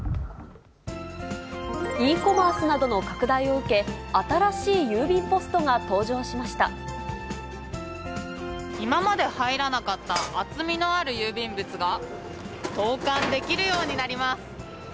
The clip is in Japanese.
Ｅコマースなどの拡大を受け、今まで入らなかった厚みのある郵便物が、投かんできるようになります。